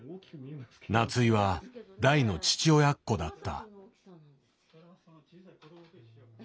夏井は大の父親っ子だった。